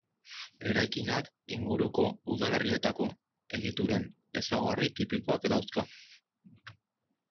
Eraikinak inguruko udalerrietako egituren ezaugarri tipikoak dauzka.